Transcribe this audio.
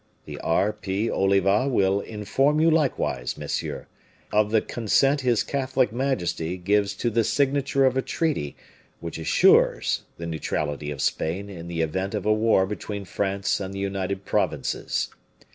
The R. P. Oliva will inform you likewise, monsieur, of the consent His Catholic Majesty gives to the signature of a treaty which assures the neutrality of Spain in the event of a war between France and the United Provinces.